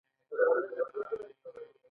خو مؤلده ځواکونه په خپل ډول ودې ته دوام ورکوي.